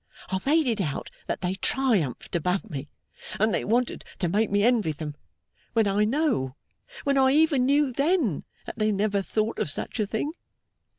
I made it out that they triumphed above me, and that they wanted to make me envy them, when I know when I even knew then that they never thought of such a thing.